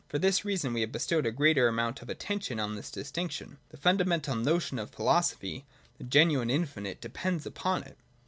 — For this reason we have bestowed a greater amount of attention on this distinction. The funda mental notion of philosophy, the genuine infinite, de pends upon it.